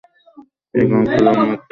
এই ঘনত্ব লবণের ঘনত্বের থেকে বেশি।